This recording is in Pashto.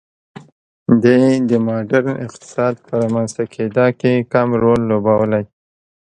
دې د ماډرن اقتصاد په رامنځته کېدا کې کم رول لوبولی.